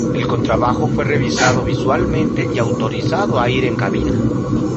El contrabajo fue revisado visualmente y autorizado a ir en cabina.